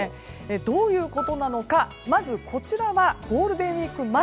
どういうことなのかまずこちらはゴールデンウィーク前。